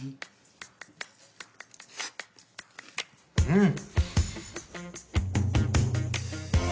うん！